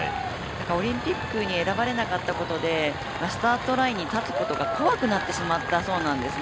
オリンピックに選ばれなかったことでスタートラインに立つことが怖くなってしまったそうなんです。